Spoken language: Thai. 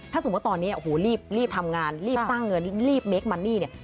ถ้าสมมุติตอนนี้รีบทำงานรีบสร้างเงินรีบแม้งปัญหานุ